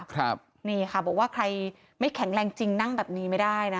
ครับนี่ค่ะบอกว่าใครไม่แข็งแรงจริงนั่งแบบนี้ไม่ได้นะ